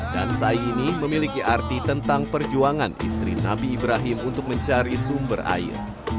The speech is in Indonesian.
dan syai ini memiliki arti tentang perjuangan istri nabi ibrahim untuk mencari sumber air